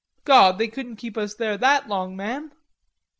"Gawd, they couldn't keep us there that long, man."